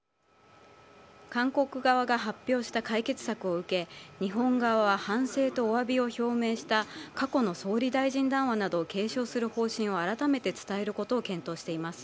韓国側が発表した解決策を受け、日本側が反省とおわびを表明した過去の総理大臣談話などを継承する方針を改めて伝えることを検討しています。